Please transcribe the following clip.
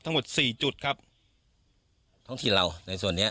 ทั้งหมดสี่จุดครับท้องถิ่นเราในส่วนนี้